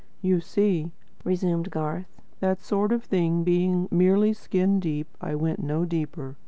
"You see," resumed Garth, "that sort of thing being merely skin deep, I went no deeper.